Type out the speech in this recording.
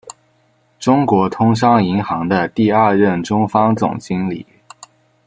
中国通商银行的第二任中方总经理。